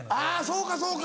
そうかそうか。